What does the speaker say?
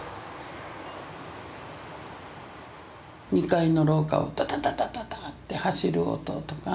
２階の廊下をダダダダダダって走る音とか。